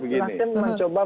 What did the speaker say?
semua terangnya mencoba